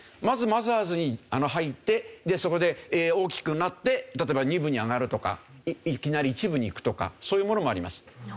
まずマザーズに入ってそこで大きくなって例えば二部に上がるとかいきなり一部にいくとかそういうものもあります。